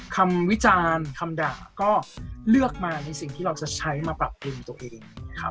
วิจารณ์คำด่าก็เลือกมาในสิ่งที่เราจะใช้มาปรับปรุงตัวเอง